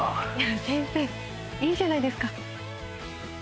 先生いいじゃないですか。